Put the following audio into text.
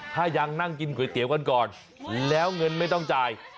ถ้ายังนั่งกินก๋วยเตี๋ยวกันก่อนแล้วเงินไม่ต้องจ่าย